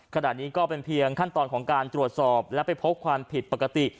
ขณะนี้ก็เป็นเพียงขั้นตอนของการตรวจสอบและไปพบความผิดปกติ